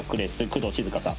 工藤静香さん。